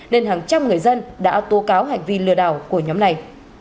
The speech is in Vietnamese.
nên hàng trăm người dân đã tố cáo hành vi lừa đảo của nhóm này